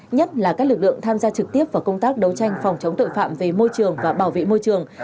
nhất là các lực lượng tham gia trực tiếp vào công tác đấu tranh phòng chống tội phạm về môi trường và bảo vệ môi trường